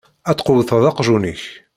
Ad tqewwteḍ aqjun-ik.